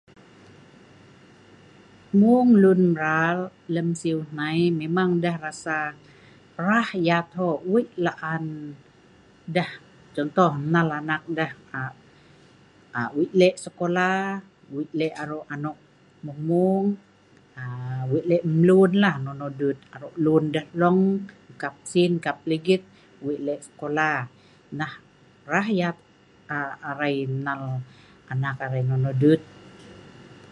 mueng lun mbral lem siu hnai memang deh rasa rah yatt ho, wei laan deh contoh nal anak deh aa..aa.. wei lek skolah, wei lek arok anok mueng mueng, aa wei lek mlun lah wei lek dut arok lun deh hlong, kap sin kap ligit, wei lek skola, nah rah yatt arai nal anak arai nonoh dut